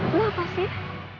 lo apa sih